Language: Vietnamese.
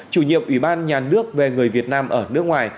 chủ nhiệm ủy ban nhà nước về người việt nam ở nước ngoài